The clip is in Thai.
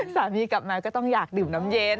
สามีกลับมาก็ต้องอยากดื่มน้ำเย็น